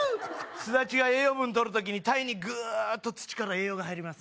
スダチが栄養分とる時にタイにぐーっと土から栄養が入ります